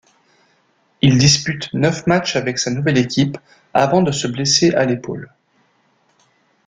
Il dispute neuf matchs avec sa nouvelle équipe avant de se blesser à l'épaule.